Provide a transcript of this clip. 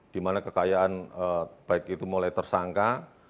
dimana kekayaan baik itu mulai tersangka